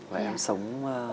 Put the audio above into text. và em sống